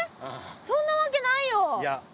そんなわけないよ！